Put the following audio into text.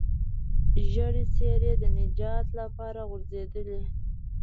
ژېړې څېرې د نجات لپاره خوځېدلې.